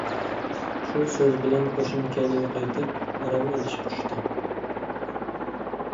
شۇ سۆز بىلەن قوشۇن كەينىگە قايتىپ ئارام ئېلىشقا چۈشتى.